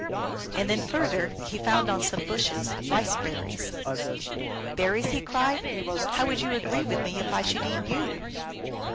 And then further he found on some bushes, Rice berries. " Berries," he cried, " how would you agree with me if I should eat you